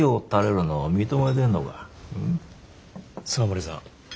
笹森さん